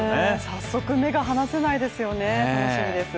早速、目が離せないですよね、楽しみです。